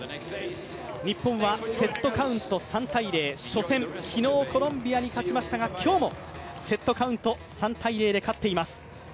日本はセットカウント３−０、初戦、昨日コロンビアに勝ちましたが、今日もセットカウント３−０で勝っています。